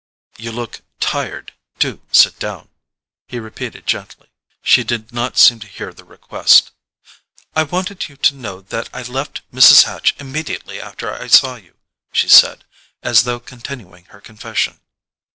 "You look tired—do sit down," he repeated gently. She did not seem to hear the request. "I wanted you to know that I left Mrs. Hatch immediately after I saw you," she said, as though continuing her confession.